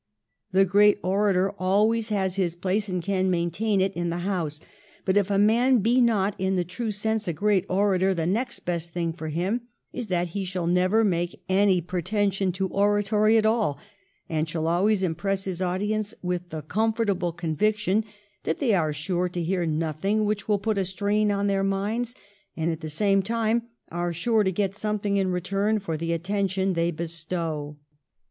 The great orator always has his place and can maintain it in the House ; but if a man be not in the true sense a great orator the next best thing for him is that he shall never make any pretension to oratory at all, and shall always impress his audience with the comfort able conviction that they are sure to hear nothing which will put a strain on their minds, and at the same time are sure to get something in return for the attention they bestow.